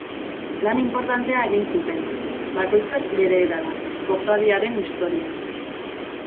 Lan inportantea egin zuten, bakoitzak bere erara, kofradiaren historian.